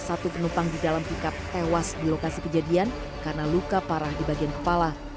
satu penumpang di dalam pickup tewas di lokasi kejadian karena luka parah di bagian kepala